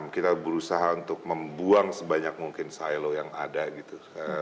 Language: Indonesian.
kita berusaha untuk membuang sebanyak mungkin silo yang ada gitu